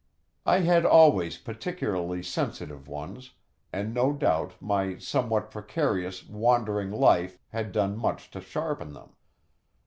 I had always particularly sensitive ones, and no doubt my somewhat precarious, wandering life had done much to sharpen them.